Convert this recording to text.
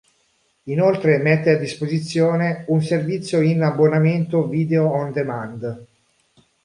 Inoltre mette a disposizione un servizio in abbonamento video-on-demand.